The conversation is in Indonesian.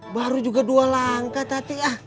baru juga dua langkah tati ah